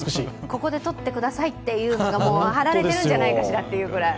ここで撮ってくださいというのが貼られてるんじゃないかといとうくらい。